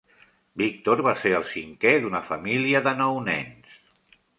Victor va ser el cinquè d'una família de nou nens.